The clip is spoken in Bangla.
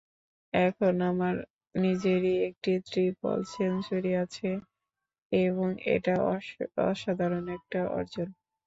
এখন আমার নিজেরই একটি ট্রিপল সেঞ্চুরি আছে এবং এটা অসাধারণ একটা অর্জন।